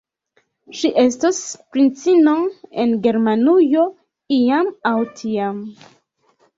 Ŝi estos princino en Germanujo, iam aŭ tiam.